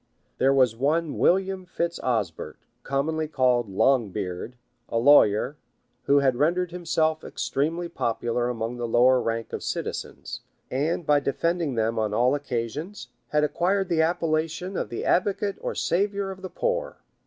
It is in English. There was one William Fitz Osbert, commonly called Longbeard, a lawyer, who had rendered himself extremely popular among the lower rank of citizens; and by defend ing them on all occasions, had acquired the appellation of the advocate or savior of the poor.